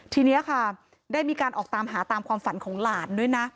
ทีนี้ค่ะได้มีการออกตามหาตามความฝันของหลานด้วยนะ